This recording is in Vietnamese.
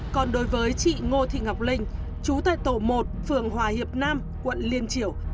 còn đối với chị ngô thị ngọc linh chú tại tổ một phường hòa hiệp nam quận liên triểu